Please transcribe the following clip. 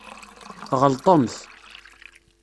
Tɣelṭemt.